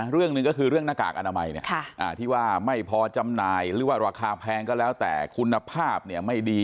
เรื่องหนึ่งก็คือเรื่องหน้ากากอนามัยที่ว่าไม่พอจำหน่ายหรือว่าราคาแพงก็แล้วแต่คุณภาพไม่ดี